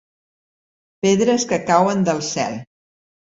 Pedres que cauen del cel.